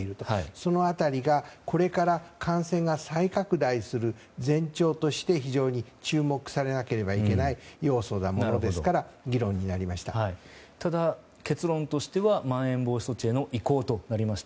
その辺りがこれから感染が再拡大する前兆として非常に注目されなければいけない要素ですからただ、結論としてはまん延防止措置への移行となりました。